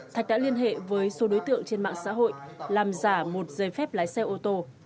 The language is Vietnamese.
thạch đã liên hệ với số đối tượng trên mạng xã hội làm giả một giấy phép lái xe ô tô